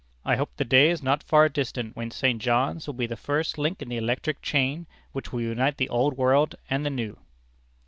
I hope the day is not far distant when St. John's will be the first link in the electric chain which will unite the Old World and the New.